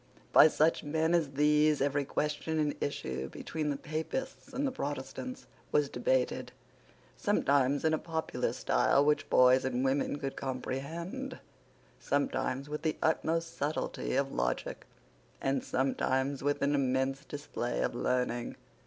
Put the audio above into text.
By such men as these every question in issue between the Papists and the Protestants was debated, sometimes in a popular style which boys and women could comprehend, sometimes with the utmost subtlety of logic, and sometimes with an immense display of learning.